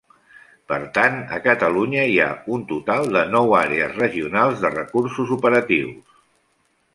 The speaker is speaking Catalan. Per tant a Catalunya hi ha un total de nou Àrees Regionals de Recursos Operatius.